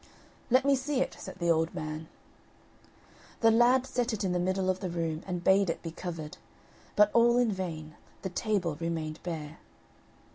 "Let me see it," said the old man. The lad set it in the middle of the room, and bade it be covered; but all in vain, the table remained bare.